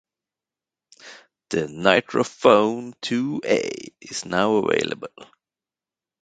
The "NitroPhone two a" is now avaiable.